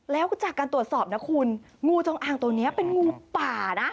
แล้วจากการตรวจสอบนะคุณงูจงอางตัวนี้เป็นงูป่านะ